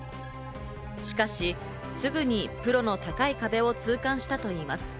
しかしすぐにプロの高い壁を痛感したといいます。